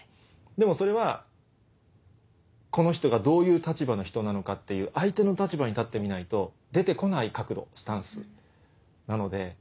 でもそれはこの人がどういう立場の人なのかっていう相手の立場に立ってみないと出て来ない角度スタンスなので。